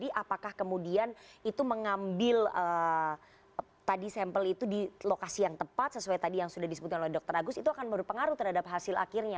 jadi apakah kemudian itu mengambil tadi sampel itu di lokasi yang tepat sesuai tadi yang sudah disebutkan oleh dr agus itu akan berpengaruh terhadap hasil akhirnya